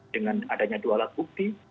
dengan adanya dua alat bukti